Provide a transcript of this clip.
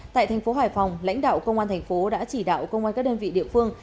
tại thành phố hải phòng lãnh đạo công an thành phố đã chỉ đạo công an các đơn vị địa phương